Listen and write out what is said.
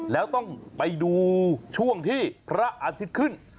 แล้วต้องไปดูช่วงที่พระอาทิตย์ขึ้น